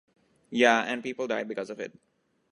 Ya and people died because of it.